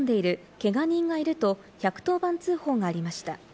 けが人がいると、１１０番通報がありました。